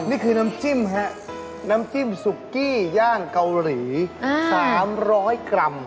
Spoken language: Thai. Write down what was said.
นี่คือน้ำจิ้มฮะน้ำจิ้มซุกี้ย่างเกาหลี๓๐๐กรัม